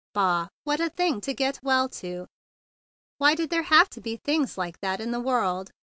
Bah! What a thing to get well to! Why did there have to be things like that in the world?